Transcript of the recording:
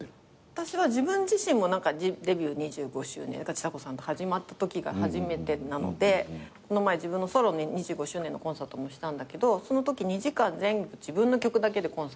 ちさ子さんと始まったときが初めてなのでこの前自分のソロ２５周年のコンサートもしたんだけどそのとき２時間自分の曲だけでコンサートをして。